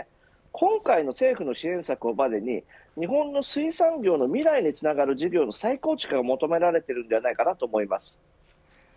今回の政府の支援策をばねに日本の水産業の未来につながる事業の再構築が求められているのではないかなと思います。